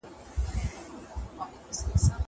زه به سبا سړو ته خواړه ورکړم.